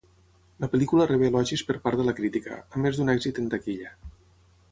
La pel·lícula rebé elogis per part de la crítica, a més d'un èxit en taquilla.